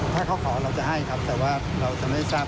ประสานมามาขออะไรเพิ่มเติมอยู่บ้างครับ